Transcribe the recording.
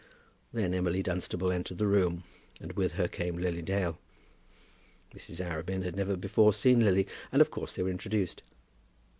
Then Emily Dunstable entered the room, and with her came Lily Dale. Mrs. Arabin had never before seen Lily, and of course they were introduced.